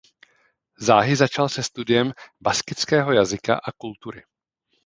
Záhy začal se studiem baskického jazyka a kultury.